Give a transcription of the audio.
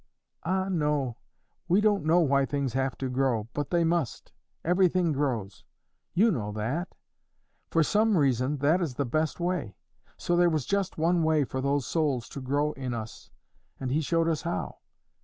"Ah, no! We don't know why things have to grow, but they must; everything grows you know that. For some reason, that is the best way; so there was just one way for those souls to grow in us, and He showed us how.